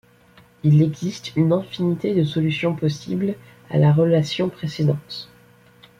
Il existe une infinité de solutions possibles à la relation précédente.